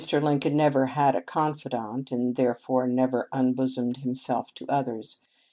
Lincoln never had a confidant, and therefore never unbosomed himself to others.